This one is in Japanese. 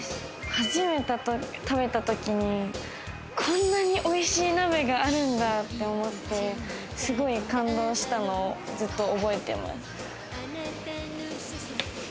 初めて食べたときにこんなにおいしい鍋があるんだと思って、すごい感動したのをずっと覚えてます。